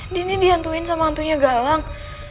ini dihantuin sama hantunya galang